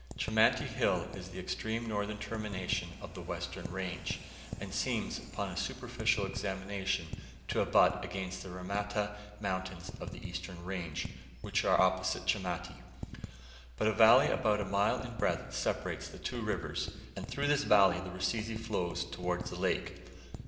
Chamati Hill is the extreme northern termination of the western range, and seems, upon a superficial examination, to abut against the Ramata mountains of the eastern range, which are opposite Chamati; but a valley about a mile in breadth separates the two ranges, and through this valley the Rusizi flows towards the lake.